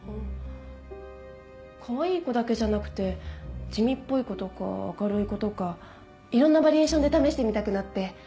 かわいい子だけじゃなくて地味っぽい子とか明るい子とかいろんなバリエーションで試してみたくなって。